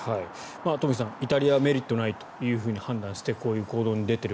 東輝さん、イタリアはメリットがないと判断してこういう行動に出ている。